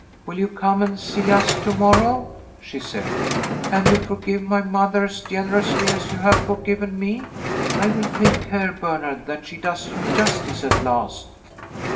"Will you come and see us to morrow?" she said. "Can you forgive my mother as generously as you have forgiven me? I will take care, Bernard, that she does you justice at last."